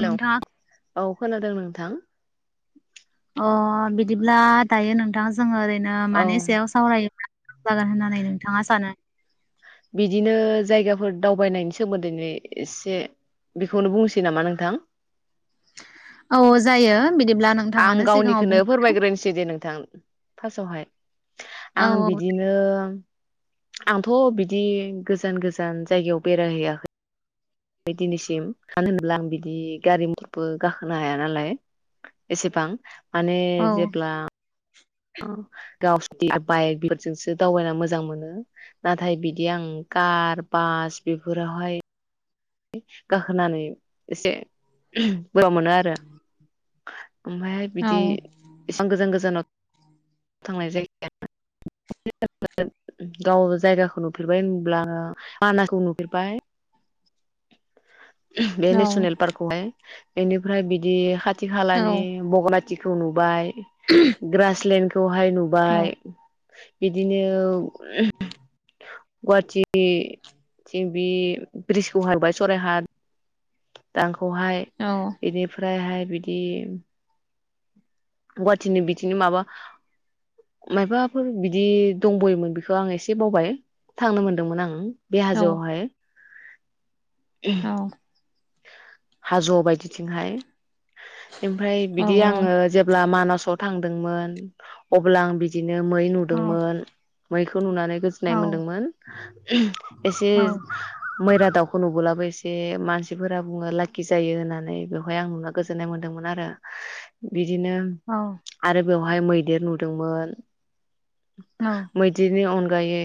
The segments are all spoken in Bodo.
हेलौ नोंथाङा औ खोनादों नों थां अ बिदिब्ला दायो नोंथां जोङो ओरै बिदिनो औ मानैे सायाव सावरायोब्ला जागोन होननानै नोंथाङा सानो बिदिनो जायगाफोर दावबायनायनि सोमोन्दैैनो एसे बेखौनो बुंसै नामा नोंथां औ जायो बिदिब्ला आं नोंथाङानो सिगाङाव बुंहो फास्ट आवहाय आं बिदिनो आंथ' बिदि बिदि गोजान गोजान जायगायाव बेरायहैयाखै दिनैसिम मानो होनोब्ला आं बिदि गारि मथरबो गाखोनो हाया नालाय एसेबां माने औ जेब्ला गावसनि बाइक बेफोरजोंसो दावबायना मोजां मोनो नाथाय बिदि आं कार बास बेफोरावहाय गाखोनानै एसे बोरा मोनो आरो ओमफ्राहाय औ बिदि एसेबां गोजान गोजानाव थांनाय [unintelligible] गाव जायगाखौ नुफेरबाय होनब्ला बानाखौ नुफेरबाय बे नेसनेल पार्कखौहाय बेनिफ्राय बिदि हा खाथि औ खालानि बग'नाय दिखौ नुबाय ग्रासलेणड खौहाय नुबाय बिदिनो गुवाहाटि थि बि ब्रिज [unintelligible] सराय हाथ दां खौहाय औ बेनिफ्रायहाय बिदि गुवाहाटिनि बिथिंनि माबा मायाबाफोर बिदि दंबयोमोन बेखौ आं एसे बावबाय थांनो मोनदोंमोन आं बे औ हाजोआवहाय औ [unintelligible] हाज'बायदि बिथिंहाय ओमफ्राय औ बिदि आंङो जेब्ला मानास थांदोंमोन अब्ला आं बिदि बिदिनो मै औ नुदोंमोन मै खौ नुनानै गोजोन्नाय मोनदोंमोन [unintelligible] एसे औ मैरा दाउखौ नुबोलाबो से मानसि फोरा बुङो लाखि जायो होननानै बेवहाय आं नुना गोजोननाय मोन्दोंमोन आरो बि बिदिनो औ आरो बेवहाय मैदेर नुदोंमोन औ मैदेरनि अन अनगायै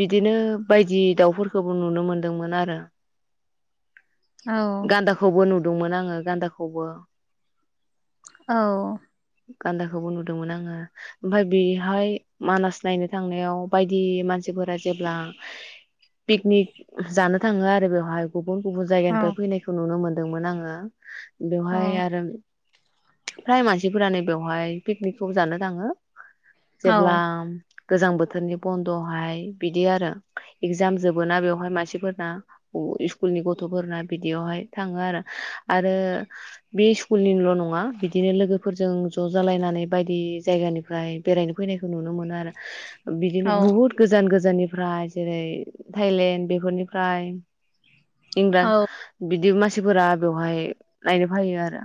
बिदिनो बायदि दाउफोरखौबो नुनो मोनदोंमोन आरो गान्दाखौबो नु दोंमोन आङो गान्दाखौबो औ गान्दाखौबो नुदोंमोन आङो ओमफफ्राय बेहाय मानास नायनो थांनायाव बायदि मानसिफोरा जेब्ला पिकनिक जानो थाङो आरो बेयाव हाय गुबुन गुबुन जायगानिफ्राय फैनायखौ नुनो मोनो दोंमोन आङो बेवहाय आरो फ्राय मानसिफोरानोै बेवहाय पिकनिक खौ जानो थाङो जेबोब्ला गोजां बोथोरनि बन्दहाय बिदि आरो एगजाम जबो ना बेवहाय मानसिफोरना स्कुलनि गथ'फोरना बिदियावहाय थाङो आरो आरो बे स्कुलनिल' नङा बिदिनो लोगोफोरजों ज' जालायनानै बायदि जायगानिफ्राय बेरायनो फैनायखौ नुनो मोनो आरो बिदिनो औ बहुत गोजान गोजान गोनिफ्राय जेरै थाइलेण्ड बेफोरनिफ्राय इंर औ बिदि मास मानसिफोरा बेवहाय नायनो फैायो आरो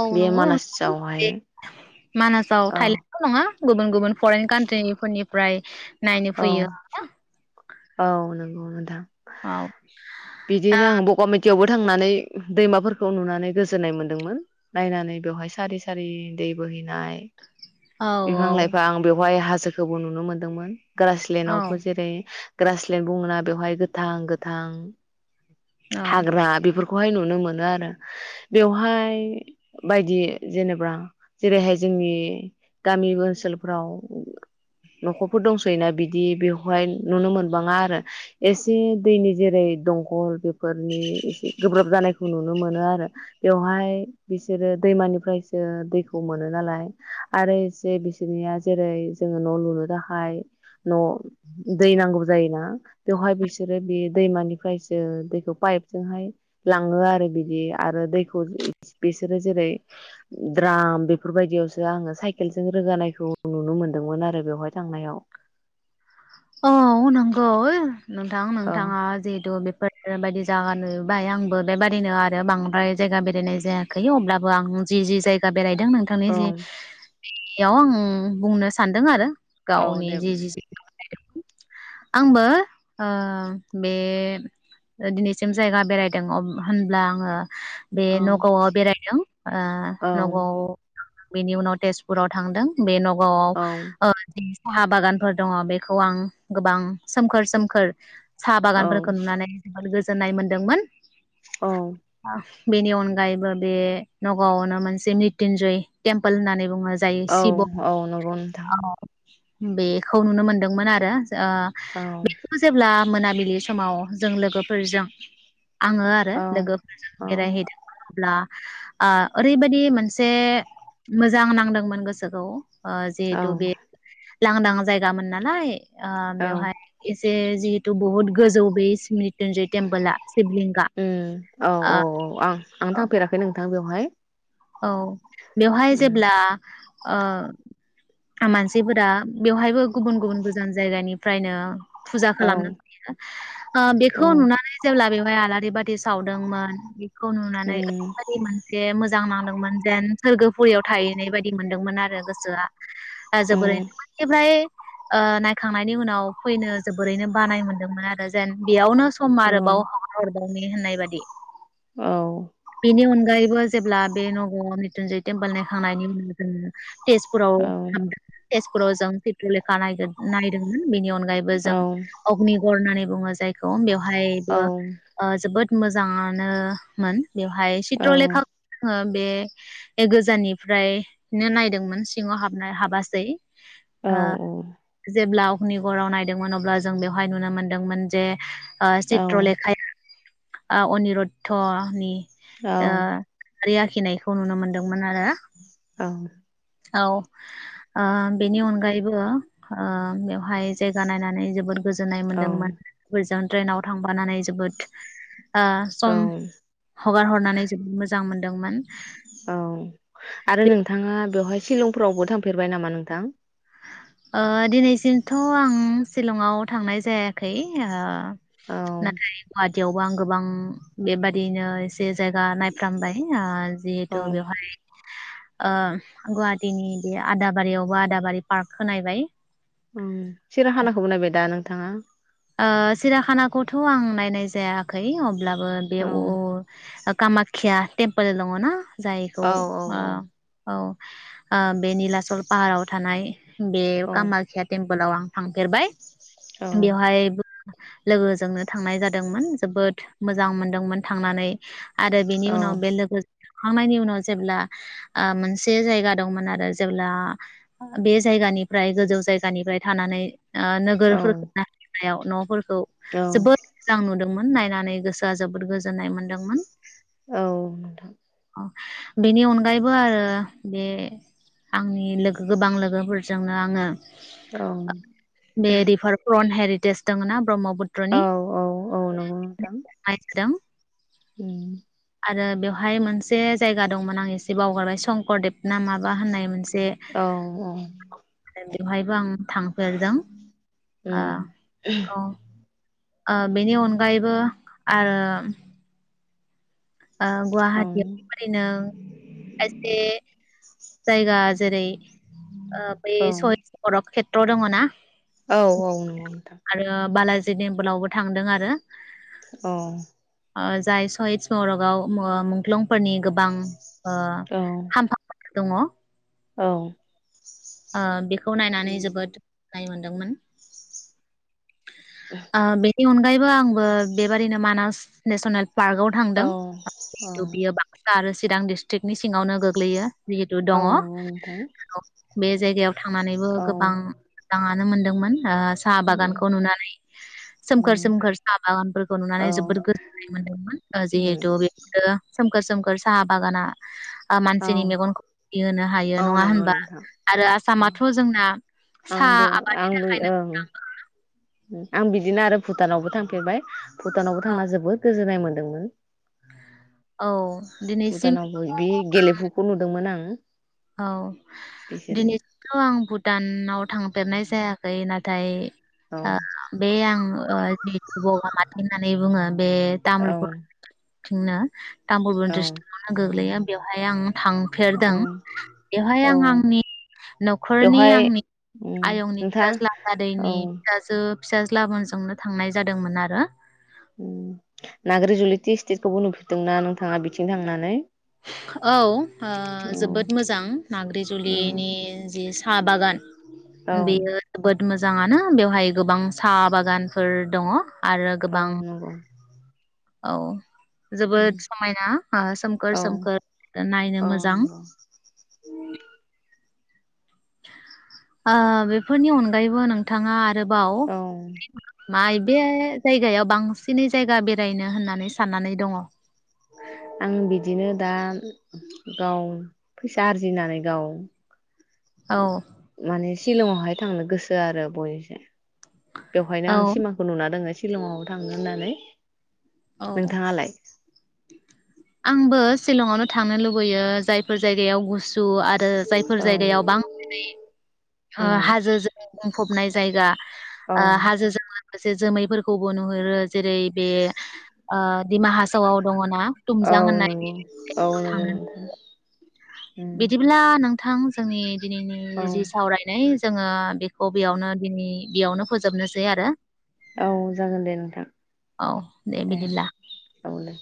औ बे नंगौ मानासावहाय मानासाव औ थायलेण्डल' नङा गुबुन गुबुन फरेन कान्ट्रिनिफोरनि प्राय औ औ नों नंगौ नोंथां औ दा टियावबो थांनानै दैमाफोरखौ नुनानै गोजोननाय मोन्दोंमोन नायनानै बेवहाय सारि सारि दै बोहैनाय औ बिफां लाइफां बेवहाय हाज सोखौबो नुनो मोन्दोंमोन। ग्रासलेण्डावबो औ जेरै ग्रासलेण्ड बुङोना बेवहाय गोथां गोथां औ हाग्रा बेफोरख खौहाय नुनो मोनो आरो बेवहाय बायदि जेनेबा जेरैहाय जोंनि गामि ओनसोलफ्राव न'खरफोर दंसैयोना बिदि बेवहाय नुनो मोनबाङा आरो एसे दैनि जेरै दंखल बेफोरनि एसे गोब्राब जानायखौ नुनो मोनो आरो बेवहाय बिसोरो दैमानिफ्रायसो दैखौ मोनो नालाय आरो से बिसोरनिया जेरै जोङो न' लुनो थाखाय न' दै नांगौ जायोना बेवहाय बिसोरो बे दैमानिफ्रायसो दैखौ पाइपजोंहाय लाङो आरो बिदि आरो दैखौ बिसोरो जेरै द्राम बेफोरबायदियावसो आङो साइ केलजों रोगानायखौ नुनो मोनदोंमोन आरो बेवहाय थांनायाव। अ नंगौ। नोंथां औ नोंथाङा जिहेथु बे फोर ओ बायदि जागा नुहैबाय आंबो बेबादिनो आरो बांद्राय जायगा बेरायनाय जायाखै अब्लाबो आं जि जि जायगा बेरायदों नोंथांनि औ जि बेयाव आं बुंनो सानदों आरो औ गावनि दे जि बुं जि हायदों आंबो ओ बे दिनैसिम जायगा बेरायदों अब होनब्ला आङो बे औ नगावआव बेरायदों ओ औ नगावआव बेनि उनाव तेजपुराव थांदों बे न वाव औ ओ साहा बागानफोर दङ बे खौ आं गोबां सोमखोर सोमखोर साहा औ बागानफोरखौ औ नुनानै जोबोद गोजोननाय मोन्दोंमोन। औ बेनि अनगायैबो बे नगावावनो मोनसे म्रित्यन्जय टेमपोल होननानै बुङो। जाय औ शिब औ नंगौ नोंथां। बेखौ नुनो मोन दोंमोन आरो ओ औ बेखौ जेब्ला मोनाबिलि समाव जों लोगोफोरजों आङो आरो औ लोगोफोरजों औ बेरायहैदोंमोन अब्ला ओ ओरैबायदि मोनसे मोजां नांदोंमोन गोसोखौ ओ औ जिहेतु बे लांदां जायगामोन ना लाय ओ औ बेेवहाय इस जे जिहेतु बहुत गोजौ बे इसमित [unintelligible] टेमपोला सिबलिंगा उम औ ओ औ आं थांफेराखै नों थां बेवहाय । औ । बेवहाय जेब्ला ओ आ मानसिफोरा बेवहायबो गुबुन गुबुन गोजान जायगानिफ्रायनो फुजा औ खालामनो फैयो ओ औ बेखौ उम नुनानै जेब्ला बेव फाय आलारि बाथि से सावदोंमोन बेखौ नुनानै ओरैबायदि मोनसे मोज मोजां नांदोंमोन जेन सोरगोफुरियाव थाहैनाय बायदि मोन्दोंमोन आरो गोसोआ । ओ जोबोरै उम [unintelligible] ओ नायखांनायनि उनाव फैनो जोबोरैनो बानाय मोन्दोंमोन आरो जेन बेयावनो सम आरोबाव उम हागारहरबावनि होननाय बादि । औ । बिनि अनगायैबो ज जेब्ला बे नगाआव मिटुनजय टेम्पोल नायखांनायनि उनाव जोङो तेजपुराव औ थांदोंमोन । तेजपुराव जों पेट्र'लेखा नायदों नायदोंमोन । बेनि अनगायैबो जों औ अग्निगर होननानै बुङो जायखौ बेवह औ हायबो ओ जोबोद मोजाङानोमोन । बेवहाय चित्र'लेखा जोङो बे गोजाननिफ्रायनो नायदोंमोन सिङाव हाबनो हाबासै ओ जेब्ला अगनिगराव नायदोंमोन अब्ला जों बेवहाय नुनो मोन्दोंमोन जे ओ चित्रलेखाया। ओ अनिरुद्धनि औ। आरि आखिनायखौ नुनो मोनदोंमोन आरो। औ। औ ओ बेनि अनगायैबो ओ बेवहाय जायगा नायनानै जोबोद गोजोननाय औ मोनदोंमोन गोज जों ट्रेनाव थांफानानै जोबोद ओ औ सम हगार हरनानै जोबोद मोजां मोनदोंमोन औ बे शिलंफ्रावबो थांफेरबाय नामा नोंथां? ओ दिनैसिमथ' आं शिलंआव थांनाय जायाखै ओ औ नाथाय गुवाहाटियावबो आं गोबां बेबादिनो इ से जायगा नायफ्रामबाय ओ औ जिहेथु बेवहाय ओ गुवाहाटिनि बे आदाबारियावबो आदाबारि पार्क खो नायबाय । ओम सिराखानाखौबो नायबाय दा नों थाङा? ओ सिराखानाखौथ' आं नायनाय जायाखै अब लाबो बे अ औ ओ कामाख्या टेम्पोल दङ ना जायखौ औ ओ औ ओ बे निलाचल फाहाराव थानाय बे औ कामाख्या टेम पोलाव आं थांफेरबाय । औ । लोगोजोंनो थांनाय जादोंमोन जोबोद मोजां मोनदोंमोन थांनानै आरो बेनि उनाव बेलोगोजों थांखांनायनि उनाव जेब्ला ओ मोनसे जायगा दंमोन आरो जेब्ला बे जायगानिफ्राय गोजौ जायगानिफ्राय थानानै ओ औ नोगोरफोर न'फोर खौ औ जोबोद मोजां नुदों मोन नायनानै गोसोआ जोबोर गोजोननाय मोनदोंमोन । औ नोंथां । बेनि अनगायैबो आरो बे आंनि लोगो गोबां लोगोफोरजोंनो आङो औ । अन हेरिटेज दङना? ब्रह्मपुत्रनि औ औ नंगौ नोंथां [unintelligible] उम । आरो बेवहाय मोनसे जायगा दंमोन आं इसे बावगारबाय संकरदेब ना माबा होननाय मोनसे औ औ । बेवहायबो आं थांफेरदों ओ उम औ ओ बेनि अनगायैबो आरो ओ गुवाहाटियाव ओरैनो खायसे जायगा जेरै ओ बे औ [unintelligible] खेत ट्र दङ ना? औ औ नंगौ नोंथां। आरो [unintelligible] थांदों आरो अ। ओ जाय सयिज [unintelligible] मो मुंख्लंफोरनि गोबां ओ औ खाम्फा दङ। औ। ओ बिख खौ नायनानै जोबोद लाय मोनदोंमोन। आ बेनि अनगायैब बो आंबो बेबादिनो मानास नेसनेल पार्काव थांदों औ [unintelligible] बियो औ बाक्सा आरो सि चिरां डिस्ट्रिक्टनि सिङावनो गोग्लैयो। जिहेतु दङ। नंगौ नोंथां बे जायगायाव थांनानैबो औ गोबां मानो मोनदोंमोन ओ साहा उम बागानखौ नुनानै सोमखोर उम सोमखोर साहा बागानफोरखौ नुनानै औ जोबोद गोजोननाय मोनदोंमोन ओ उम जिहेतु बेफोरो सोमखोर सोमखोर साहा बागाना ओ औ मानसिनि मेगनखौ [unintelligible] होनो हायो औ नङा नंगौ होनबा? नोंथां आरो औ आसामाथ' जोंना साहा आंबो आबादनि आंबो थाखायनो ओं मुंदांखा। आं बिदिनो आरो भुटानावबो थांफेरबाय। भुटानावबो औ थांना जोबोद गोजोननाय मोन [inaudible] औ। दिनैसिम भुटानावबो बि गेलेफुखौ नुदोंमोन आं। औ बिसोरनि दिनैसिमथ' आं भुटानाव थांफेरनाय जायाखै नाथाय औ [unintelligible] ओ बेखौ माथे होनानै बुंङो । बे औ तामलपुर थिंना तामुलपुर औ डिस्ट्रिकटआवनो गोग्लैयो बेवहाय आं थांफेरदों औ बेवहाय औ आं आंनि नखरनि बेवहाय आंनि उम आयंनि नोंथां फिसाज्ला दा औ दैनि फिसाजो फिसाज्लामोनजोंनो थांनाय जादोंमोन आरो । नागिर जुलि दिसथिकखौबो नुफेरदोंना नोंथांङा बिथिं थांनानै? औ ओ औ जोबोद मोजां नागि उम जुलिनि जि साहा बागान औ बेयो जोबोद मोजांङानो बेवहाय गोबां साहा बागानफोर दंङ' । आरो औ गोबां नंगौ औ । उम जोबोद समायना ओ सोम औ सोमखोर-सोमखोर नायनो औ मोजां नंगौ । ओ बेफोरनि अनगायैबो नोंथांङा आरोबाव औ माइ बे जायगायाव बांसिनै जायगा बेरायनो होननानै साननानै दंङ' । आं बिदिनो दा गाव फैसा आरजिनानै गाव औ । माने शिलंआवहाय थांनो गोसो आरो बयनिस बेवहायनो आं सिमाखौ नुना दोंङो । शिलंआव थांनो होननानै । औ नोंथांङालाय? आंबो सिलंआवनो था थांनो लुबैयो जायफोर जायगायाव [unintelligible] [unintelligible] [unintelligible] आरो जायफोर औ जायगायाव [unintelligible] ओ उम हाजो जो बुंफबनाय जायगा औ ओ हाजो जोंनो माखासे जोमैफोरखौबो नुहुरो जेरै बे ओ दिमा हासावआव दंङना औ तुमजां होननाय नंगौ औ नंगौ थांङो नोंथां उम बिदिब्ला नोंथां जोंनि दिनैनि औ जि सावरायनाय जोङो बेखौ बेयावनो दिनै बेयावनो फोजोबनोसै आरो औ जागोन दे नोंथां औ दे बिदिब्ला। औ दे